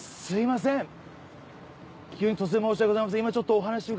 すみません。